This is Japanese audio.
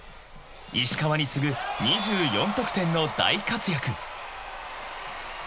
［石川に次ぐ２４得点の大活躍］